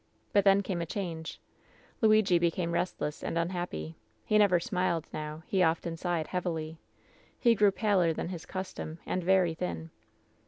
But then came a change. "Lui^ became restless and unhappy. He never smiled now. He often sighed heavily. He grew paler than his custom and very thin.